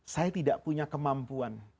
saya tidak punya kemampuan